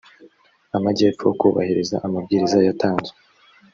amajyepfo kubahiriza amabwiriza yatanzwe